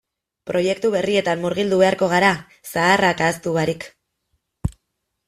Proiektu berrietan murgildu beharko gara zaharrak ahaztu barik.